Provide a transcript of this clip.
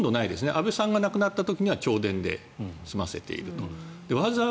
安倍さんが亡くなった時には弔電で済ませていると。